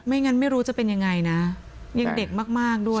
งั้นไม่รู้จะเป็นยังไงนะยังเด็กมากด้วย